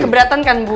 keberatan kan bu